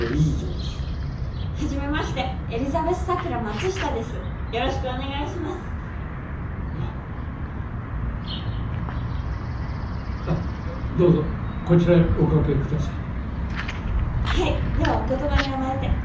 ではお言葉に甘えて。